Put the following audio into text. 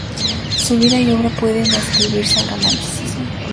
Su vida y obra pueden adscribirse al Romanticismo.